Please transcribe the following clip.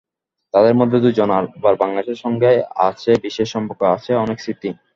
তাঁদের মধ্যে দুজনের আবার বাংলাদেশের সঙ্গে আছে বিশেষ সম্পর্ক, আছে অনেক স্মৃতি।